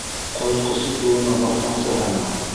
Ҡоротҡослоҡ юлына баҫмаҡсыһыңмы?!